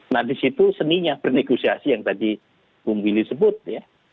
nah disitu seninya bernegosiasi yang tadi bung willy sebut ya